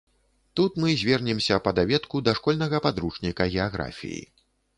Тут мы звернемся па даведку да школьнага падручніка геаграфіі.